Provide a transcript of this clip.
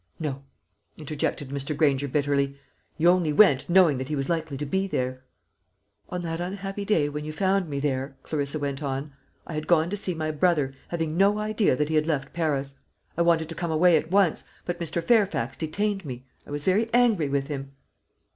"No," interjected Mr. Granger bitterly; "you only went, knowing that he was likely to be there!" "And on that unhappy day when you found me there," Clarissa went on, "I had gone to see my brother, having no idea that he had left Paris. I wanted to come away at once; but Mr. Fairfax detained me. I was very angry with him."